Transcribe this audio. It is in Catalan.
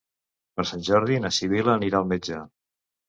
Per Sant Jordi na Sibil·la anirà al metge.